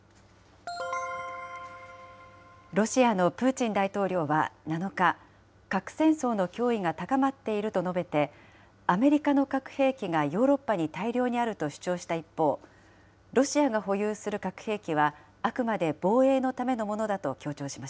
ロシアのプーチン大統領は７日、核戦争の脅威が高まっていると述べて、アメリカの核兵器がヨーロッパに大量にあると主張した一方、ロシアが保有する核兵器はあくまで防衛のためのものだと強調しま